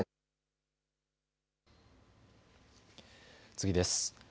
次です。